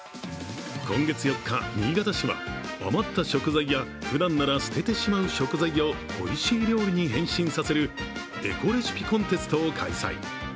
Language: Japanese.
今月４日、新潟市は余った食材やふだんなら捨ててしまう食材をおいしい料理に変身させるエコレシピコンテストを開催。